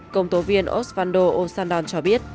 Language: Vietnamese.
công tố viên osvaldo osandon cho biết